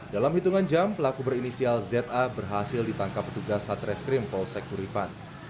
dalam hitungan jam pelaku berinisial za berhasil ditangkap petugas satreskrim polsek kuripan